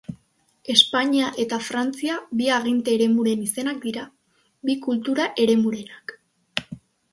Espainia eta Frantzia bi aginte eremuren izenak dira, bi kultura-eremurenak.